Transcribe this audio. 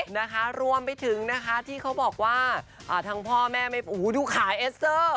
นะคะรวมไปถึงนะคะที่เขาบอกว่าอ่าทั้งพ่อแม่ไม่โอ้โหดูขายเอสเซอร์